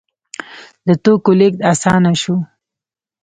د توکو لیږد اسانه شو.